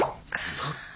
そっか。